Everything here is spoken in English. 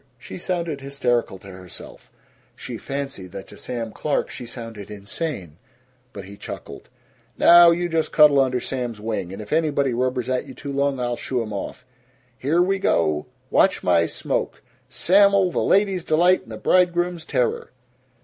She sounded hysterical to herself; she fancied that to Sam Clark she sounded insane. But he chuckled, "Now you just cuddle under Sam's wing, and if anybody rubbers at you too long, I'll shoo 'em off. Here we go! Watch my smoke Sam'l, the ladies' delight and the bridegrooms' terror!"